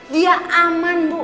dia aman bu